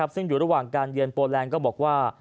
ซึ่งอยู่ระหว่างการเยือนโปรแลนด์ก็บอกว่า